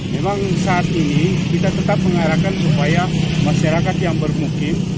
memang saat ini kita tetap mengarahkan supaya masyarakat yang bermukim